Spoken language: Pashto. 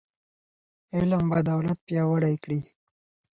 علم به عدالت پیاوړی کړي.